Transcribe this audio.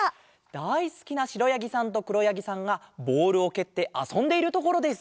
だいすきなしろやぎさんとくろやぎさんがボールをけってあそんでいるところです。